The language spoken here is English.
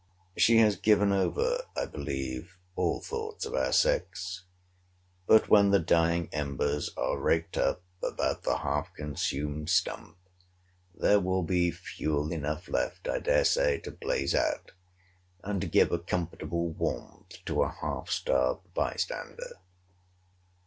She has given over, I believe, all thoughts of our sex: but when the dying embers are raked up about the half consumed stump, there will be fuel enough left, I dare say, to blaze out, and give a comfortable warmth to a half starved by stander.